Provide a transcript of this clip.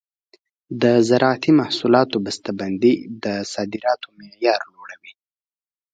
د زراعتي محصولاتو بسته بندي د صادراتو معیار لوړوي.